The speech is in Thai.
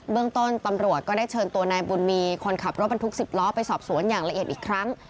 เรื่องต้นตำรวจก็ได้เชิญตัวนายบุญมีคนขับรถบรรทุก๑๐ล้อไปสอบสวนอย่างละเอียดอีกครั้ง